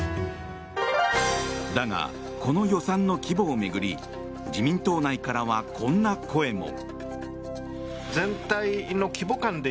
だが、この予算の規模を巡り自民党内からはこんな声も。